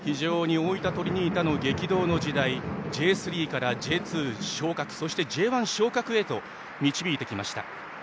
大分トリニータの激動の時代Ｊ３からＪ２昇格そしてＪ１昇格へと導いてきました。